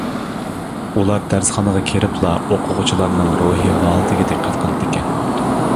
ئۇلار دەرسخانىغا كىرىپلا ئوقۇغۇچىلارنىڭ روھىي ھالىتىگە دىققەت قىلىدىكەن.